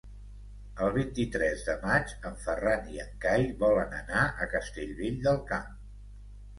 El vint-i-tres de maig en Ferran i en Cai volen anar a Castellvell del Camp.